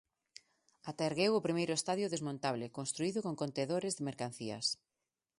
Ata ergueu o primeiro estadio desmontable, construído con contedores de mercancías.